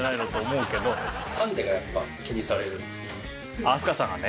ああ飛鳥さんがね。